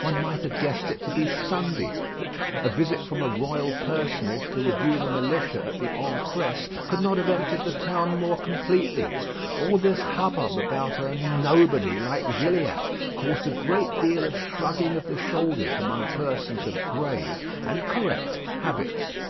One might have guessed it to be Sunday. A visit from a Royal personage to review the militia at the Ancresse could not have emptied the town more completely. All this hubbub about "a nobody" like Gilliatt, caused a good deal of shrugging of the shoulders among persons of grave and correct habits.